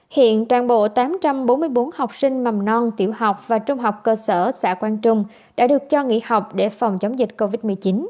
hiện toàn bộ tám trăm bốn mươi bốn học sinh mầm non tiểu học và trung học cơ sở xã quang trung đã được cho nghỉ học để phòng chống dịch covid một mươi chín